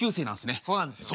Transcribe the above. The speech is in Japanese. そうなんですよね。